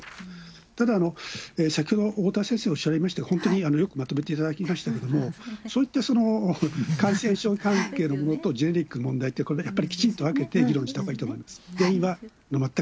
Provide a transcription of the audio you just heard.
ただ、先ほどおおたわ先生おっしゃられました、本当によくまとめていただきましたけれども、そういった感染症関係のものとジェネリックの問題ってやはりきちんと分けて議論したほうがいいと思います。